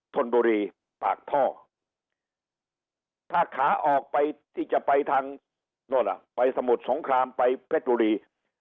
ธนบุรีปากท่อถ้าขาออกไปที่จะไปทางโน่นล่ะไปสมุทรสงครามไปเพชรบุรี